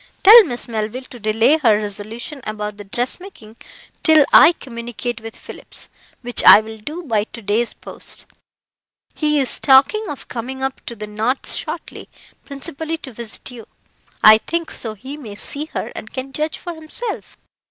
Tell Miss Melville to delay her resolution about the dressmaking till I communicate with Phillips, which I will do by to day's post. He is talking of coming up to the north shortly, principally to visit you, I think, so he may see her, and can judge for himself.